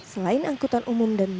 selain angkutan umum dan bus